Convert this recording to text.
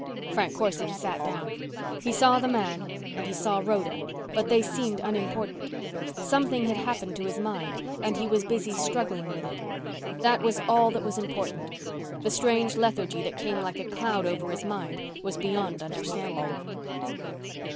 Frank Corson sat down. He saw the man and he saw Rhoda, but they seemed unimportant. Something had happened to his mind and he was busy struggling with it. That was all that was important. The strange lethargy that came like a cloud over his mind was beyond understanding.